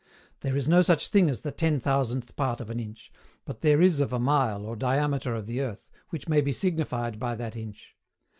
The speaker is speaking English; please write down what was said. There is no such thing as the ten thousandth part of an inch; but there is of a mile or diameter of the earth, which may be signified by that inch.